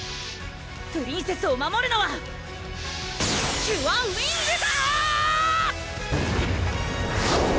プリンセスを守るのはキュアウィングだー！